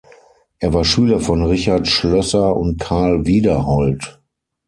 Er war Schüler von Richard Schlösser und Carl Wiederhold.